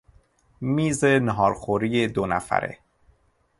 میز ناهارخوری دو نفره